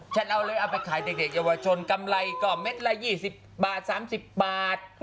ฉันเอาเลยเอาไปขายเด็กเด็กยาวชนกำไรก่อเม็ดละยี่สิบบาทสามสิบบาท